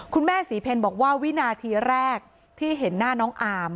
คุณแม่ศรีเพลบอกว่าวินาทีแรกที่เห็นหน้าน้องอาม